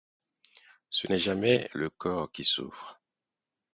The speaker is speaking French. Ce n’est jamais le corps qui souffre.